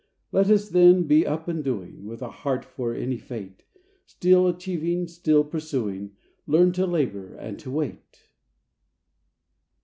Let us, then, be up and doing, With a heart for any fate ; Still achieving, still pursuing, Learn to labor and to wait.